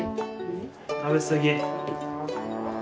食べ過ぎ。